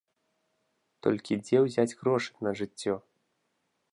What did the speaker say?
Толькі дзе ўзяць грошы на жыццё?